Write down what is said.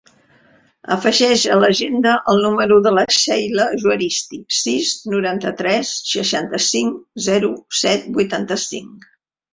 Afegeix a l'agenda el número de la Sheila Juaristi: sis, noranta-tres, seixanta-cinc, zero, set, vuitanta-cinc.